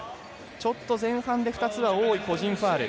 ちょっと前半で２つは多い個人ファウル。